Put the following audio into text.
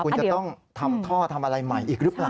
คุณจะต้องทำท่อทำอะไรใหม่อีกหรือเปล่า